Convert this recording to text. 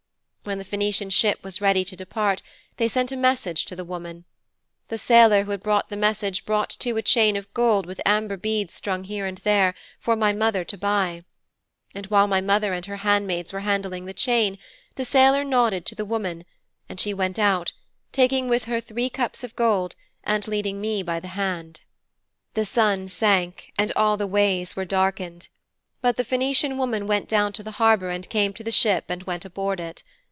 "' 'When the Phœnician ship was ready to depart they sent a message to the woman. The sailor who brought the message brought too a chain of gold with amber beads strung here and there, for my mother to buy. And, while my mother and her handmaids were handling the chain, the sailor nodded to the woman, and she went out, taking with her three cups of gold, and leading me by the hand,' 'The sun sank and all the ways were darkened. But the Phœnician woman went down to the harbour and came to the ship and went aboard it.